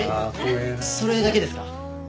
それだけですか？